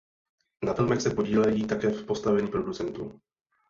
Na filmech se podílejí také v postavení producentů.